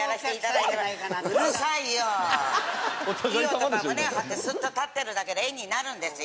いい男は胸を張ってスッと立ってるだけで絵になるんですよ。